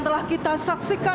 memiliki kesuatu yang tindakan